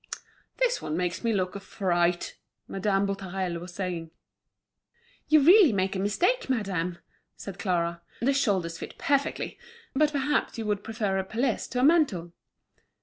"This one makes me look a fright," Madame Boutarel was saying. "You really make a mistake, madame," said Clara; "the shoulders fit perfectly—but perhaps you would prefer a pelisse to a mantle?"